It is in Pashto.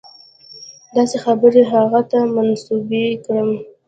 داسې خبرې هغه ته منسوبې کړم.